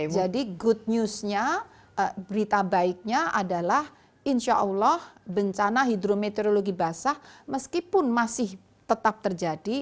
jadi good newsnya berita baiknya adalah insya allah bencana hidrometeorologi basah meskipun masih tetap terjadi